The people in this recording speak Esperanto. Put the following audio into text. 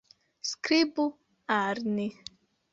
Skribu al ni.